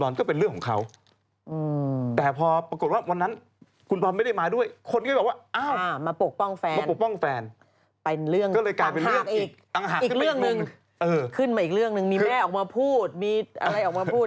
มีแม่ออกมาพูดมีอะไรออกมาพูดอีก